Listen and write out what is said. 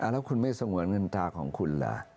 แล้วคุณไม่สงวนเงินตาของคุณเหรอ